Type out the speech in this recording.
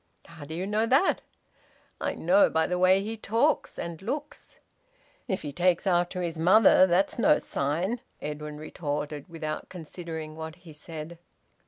"How do you know that?" "I know by the way he talks and looks." "If he takes after his mother, that's no sign," Edwin retorted, without considering what he said.